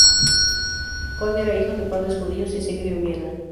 Kohn era hijo de padres judíos y se crio en Viena.